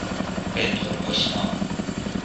بِنتالحسنی